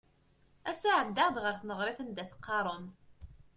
Ass-a ɛeddaɣ-d ɣer tneɣrit anda teqqarem.